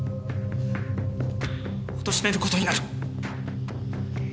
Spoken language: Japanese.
おとしめる事になる。